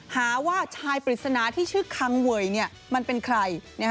หาว่าชายปริศนาที่ชื่อคังเวยมันเป็นใคร